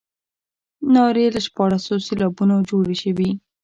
نارې له شپاړسو سېلابونو جوړې شوې.